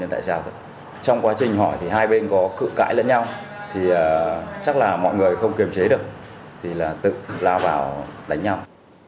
tại sao trong quá trình hỏi thì hai bên có cự cãi lẫn nhau thì chắc là mọi người không kiềm chế được thì là tự lao vào đánh nhau